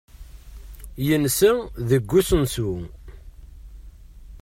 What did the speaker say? Yensa deg usensu.